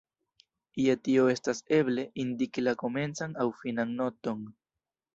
Je tio estas eble, indiki la komencan aŭ finan noton.